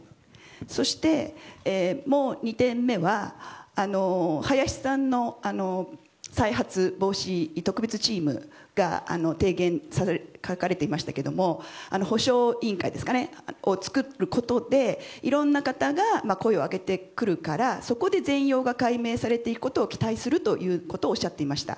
そして、２点目はハヤシさんの再発防止特別チームが提言に書かれていましたけど補償委員会を作ることでいろんな方が声をあげてくるから全容が解明されていくことを期待するということをおっしゃっていました。